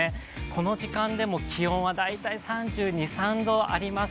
この時間でも気温は大体３２３３度あります。